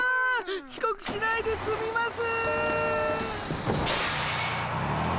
ちこくしないですみます！